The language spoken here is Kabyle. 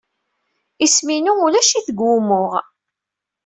Isem-inu ulac-it deg wumuɣ.